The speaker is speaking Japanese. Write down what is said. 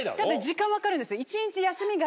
時間分かるんですよ。